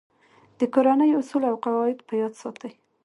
د کورنۍ اصول او قواعد په یاد ساتئ.